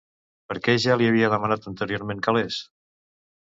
Per què ja li havia demanat anteriorment calés?